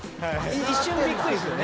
一瞬びっくりするね。